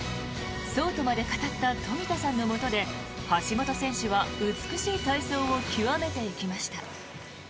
そうとまで語った冨田さんのもとで橋本選手は美しい体操を極めていきました。